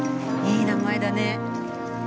いい名前だね。